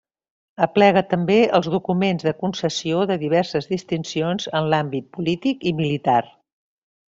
Aplega també els documents de concessió de diverses distincions en l'àmbit polític i militar.